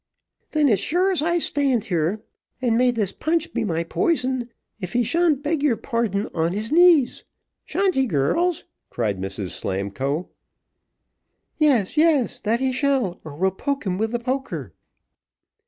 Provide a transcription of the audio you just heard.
"Then as sure as I stand here, and may this punch be my poison, if he sha'n't beg your pardon on his knees. Sha'n't he, girls?" cried Mrs Slamkoe. "Yes, yes, that he shall, or we'll poke him with the poker."